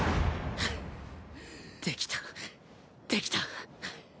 できたできた！